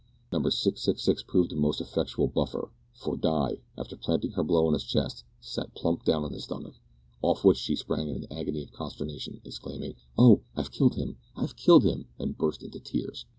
Number 666 proved a most effectual buffer, for Di, after planting her blow on his chest, sat plump down on his stomach, off which she sprang in an agony of consternation, exclaiming "Oh! I have killed him! I've killed him!" and burst into tears.